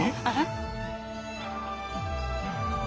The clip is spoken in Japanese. あら？